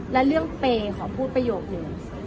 และเรื่องเปย์ขอพูดประโยคนึง